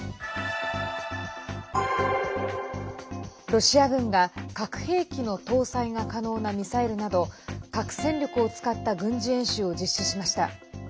ロシア軍が、核兵器の搭載が可能なミサイルなど核戦力を使った軍事演習を実施しました。